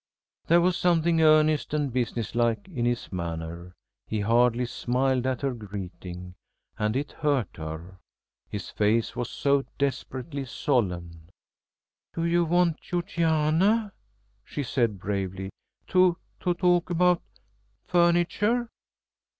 There was something earnest and business like in his manner; he hardly smiled at her greeting, and it hurt her. His face was so desperately solemn. "Do you want Georgiana?" she said, bravely, "to to talk about furniture?"